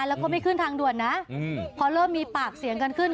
แล้วก็ไม่ขึ้นทางด่วนนะพอเริ่มมีปากเสียงกันขึ้น